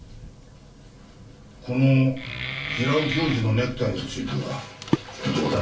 この平尾教授のネクタイについてはどうだ？